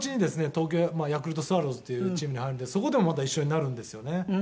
東京ヤクルトスワローズっていうチームに入るんでそこでもまた一緒になるんですよね」